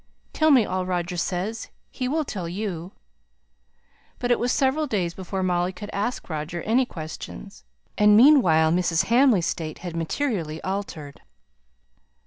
"Tell me all Roger says. He will tell you." But it was several days before Molly could ask Roger any questions; and meanwhile Mrs. Hamley's state had materially altered.